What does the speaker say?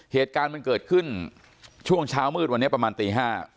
เหตุการณ์มันเกิดขึ้นช่วงเช้ามืดวันนี้ประมาณตี๕